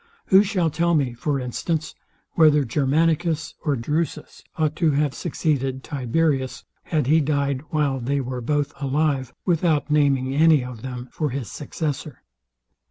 Who shall tell me, for instance, whether Germanicus, or Drufus, ought to have succeeded Tiberius, had he died while they were both alive, without naming any of them for his successor?